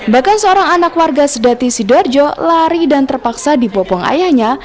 bahkan seorang anak warga sedati sidoarjo lari dan terpaksa dibopong ayahnya